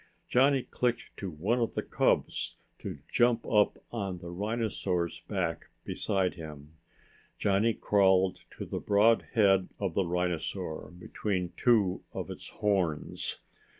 Johnny clicked to one of the cubs to jump up on the rhinosaur's back beside him. Johnny crawled to the broad head of the rhinosaur between two of its horns.